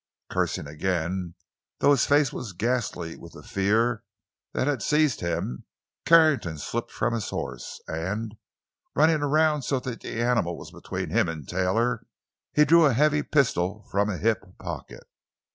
Cursing again, though his face was ghastly with the fear that had seized him, Carrington slipped from his horse, and, running around so that the animal was between him and Taylor, he drew a heavy pistol from a hip pocket.